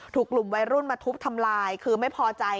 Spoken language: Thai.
ถูกกลุ่มวัยรุ่นมาทุบทำลายคือไม่พอใจ